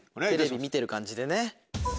テレビ見てる感じでね。